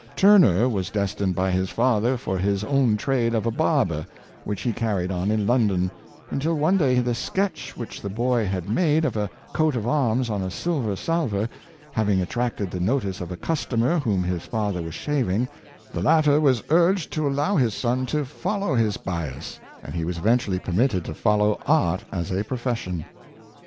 Turner was destined by his father for his own trade of a barber, which he carried on in London, until one day the sketch which the boy had made of a coat of arms on a silver salver having attracted the notice of a customer whom his father was shaving, the latter was urged to allow his son to follow his bias, and he was eventually permitted to follow art as a profession.